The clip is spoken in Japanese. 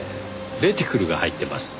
レティクルが入ってます。